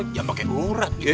jangan pakai urat ya